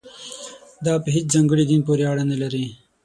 دا په هېڅ ځانګړي دین پورې اړه نه لري.